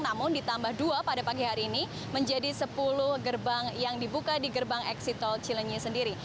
namun ditambah dua pada pagi hari ini menjadi sepuluh gerbang yang dibuka di gerbang eksit tol cilenyi sendiri